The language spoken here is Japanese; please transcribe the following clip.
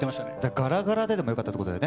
ガラガラででもよかったってことだよね。